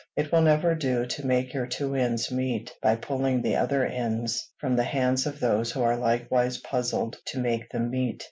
It will never do to make your two ends meet by pulling the other ends from the hands of those who are likewise puzzled to make them meet.